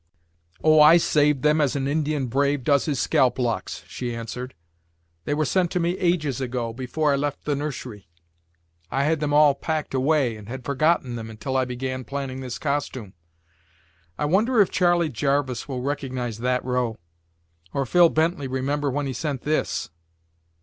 "Oh, I saved them as an Indian brave does his scalp locks," she answered. "They were sent to me ages ago, before I left the nursery. I had them all packed away, and had forgotten them until I began planning this costume. I wonder if Charley Jarvis will recognise that row, or Phil Bently remember when he sent this.